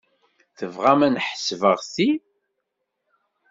Tebɣam ad ḥesbeɣ ti?